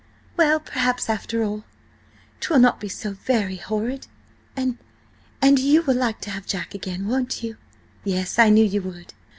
Well, perhaps after all, 'twill not be so very horrid. And–and you will like to have Jack again, won't you? Yes–I knew you would.